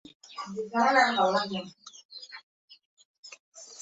তারা বর্তমানে আর্থে এসে মানুষকে হোস্ট বানিয়ে বিচরণ করে বেড়াচ্ছে।